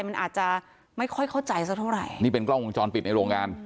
มันอาจจะไม่ค่อยเข้าใจสักเท่าไหร่นี่เป็นกล้องวงจรปิดในโรงงาน